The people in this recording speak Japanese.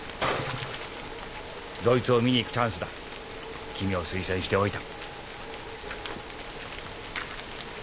ドイツを見に行くチャンスだ君を推薦しておいた。